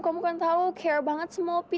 kamu kan tau care banget sama opi